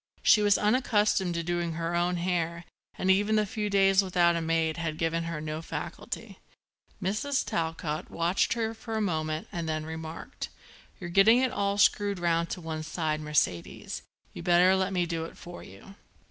She was unaccustomed to doing her own hair and even the few days without a maid had given her no facility. Mrs. Talcott watched her for a moment and then remarked: "You're getting it all screwed round to one side, Mercedes. You'd better let me do it for you."